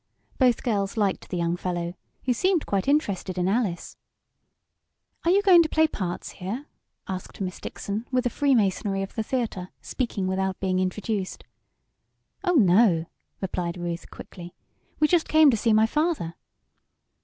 Both girls liked the young fellow, who seemed quite interested in Alice. "Are you going to play parts here?" asked Miss Dixon, with the freemasonry of the theater, speaking without being introduced. "Oh, no!" replied Ruth, quickly. "We just came to see my father."